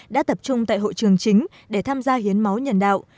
đã tập trung tại hội trường chính để tham gia hiến máu nhân đạo